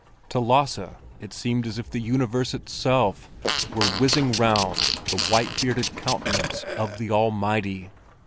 To Lasse it seemed as if the universe itself were whizzing round the white bearded countenance of the Almighty.